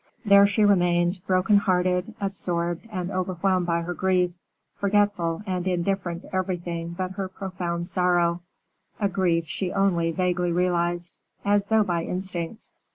There she remained, broken hearted, absorbed, and overwhelmed by her grief, forgetful and indifferent to everything but her profound sorrow; a grief she only vaguely realized as though by instinct.